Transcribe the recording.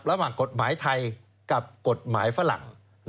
ระหว่างกฎหมายไทยกับกฎหมายฝรั่ง